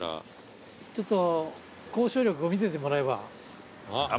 ちょっと交渉力を見ててもらえば。